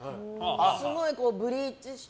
すごいブリーチして。